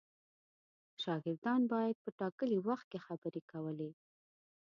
شاګردان باید په ټاکلي وخت کې خبرې کولې.